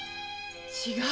違う！